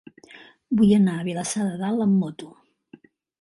Vull anar a Vilassar de Dalt amb moto.